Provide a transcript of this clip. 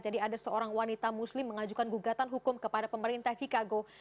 jadi ada seorang wanita muslim mengajukan gugatan hukum kepada pemerintah chicago